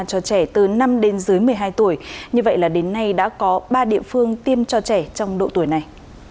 cho trẻ từ năm đến dưới một mươi hai tuổi như vậy là đến nay đã có ba địa phương tiêm cho trẻ trong độ tuổi này